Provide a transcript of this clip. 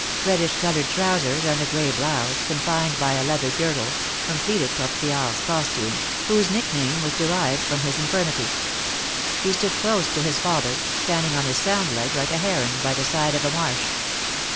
Reddish coloured trousers and a gray blouse, confined by a leather girdle, completed Tortillard's costume, whose nickname was derived from his infirmity. He stood close to his father, standing on his sound leg like a heron by the side of a marsh.